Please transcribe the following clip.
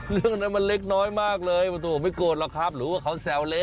เรื่องนั้นมันเล็กน้อยมากเลยประตูผมไม่โกรธหรอกครับหรือว่าเขาแซวเละ